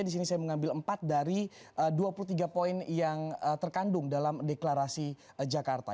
di sini saya mengambil empat dari dua puluh tiga poin yang terkandung dalam deklarasi jakarta